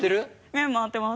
目は回ってます。